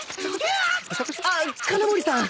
あっ鉄穴森さん